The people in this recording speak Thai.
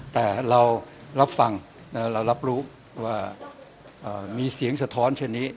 แต่เรารับฟังเรารับรู้ว่ามีเสียงสะท้อนเช่นนี้